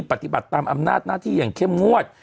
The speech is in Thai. ปราบัติตามอำนาจนาธิอย่างเข้มงวด